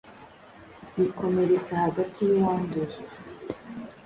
bikomeretsa hagati y’uwanduye